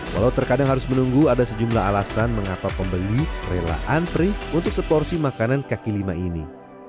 walau terkadang harus menunggu ada sejumlah alasan mengapa pembeli rela antri untuk seporsi makanan kaki lima ini